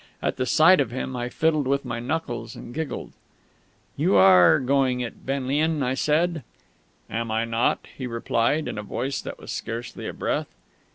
At the sight of him I fiddled with my knuckles and giggled. "You are going it, Benlian!" I said. "Am I not?" he replied, in a voice that was scarcely a breath.